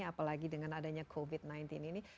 apalagi dengan adanya covid sembilan belas ini